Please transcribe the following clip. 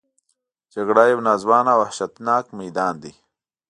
جګړه یو ناځوانه او وحشتناک میدان دی